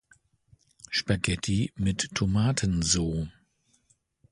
Spaghetti mit Tomatenso